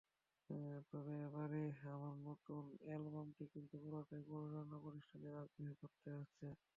তবে, এবারে আমার নতুন অ্যালবামটি কিন্তু পুরোটাই প্রযোজনা প্রতিষ্ঠানের আগ্রহে করতে হচ্ছে।